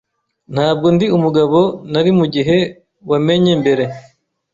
Ntabwo ndi umugabo nari mugihe wamenye mbere.